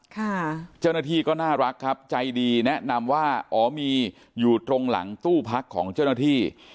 เจ้าหน้าที่ก็น่ารักครับใจดีแนะนำว่าอ๋อมีอยู่ตรงหลังตู้พักของเจ้าหน้าที่